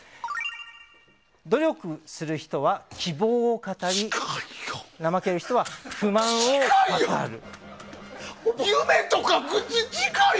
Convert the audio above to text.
努力する人は希望を語り怠ける人は不満を語る。